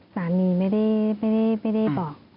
สามีไม่ได้บอก